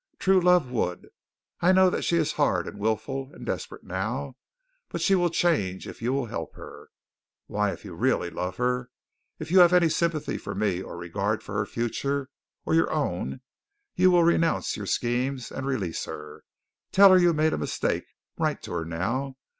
True love would. I know that she is hard and wilful and desperate now, but she will change if you will help her. Why, if you really love her, if you have any sympathy for me or regard for her future, or your own, you will renounce your schemes and release her. Tell her you made a mistake. Write to her now.